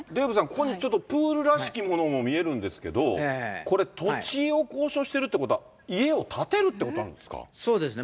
だからデーブさん、ここにプールらしきものも見えるんですけど、これ土地を交渉してるということは、家を建てるってことなんそうですね。